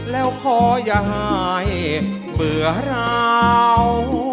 แล้วขอย่าหายเบื่อร้าว